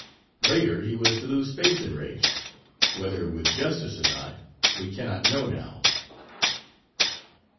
Later he was to lose faith in "Raish," whether with justice or not we cannot know now.